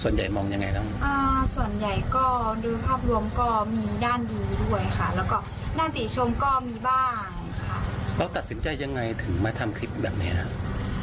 แล้วตัดสินใจยังไงถึงมาทำคลิปแบบนี้นะครับ